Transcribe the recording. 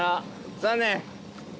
残念。